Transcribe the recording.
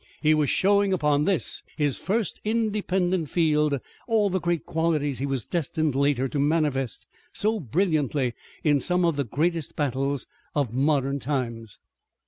He was showing upon this, his first independent field, all the great qualities he was destined later to manifest so brilliantly in some of the greatest battles of modern times.